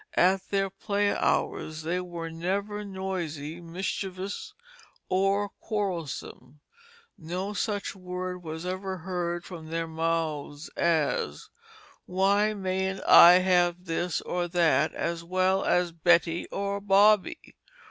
At their Play hours they were never noisy, mischievous or quarrelsome. No such word was ever heard from their Mouths as "Why mayn't I have this or that as well as Betty or Bobby."